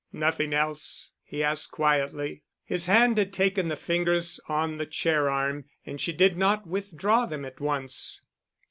"Nothing else?" he asked quietly. His hand had taken the fingers on the chair arm and she did not withdraw them at once.